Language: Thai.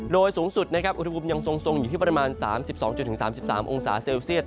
โดยสูงสุดนะครับอุณหภูมิยังทรงอยู่ที่ประมาณ๓๒๓๓องศาเซลเซียต